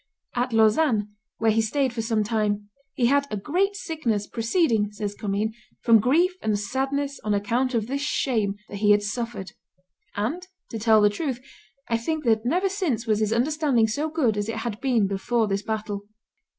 At Lausanne, where he staid for some time, he had "a great sickness, proceeding," says Commynes, "from grief and sadness on account of this shame that he had suffered; and, to tell the truth, I think that never since was his understanding so good as it had been before this battle."